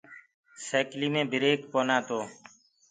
سيڪلي مي بِرڪ ڪونآ تو۔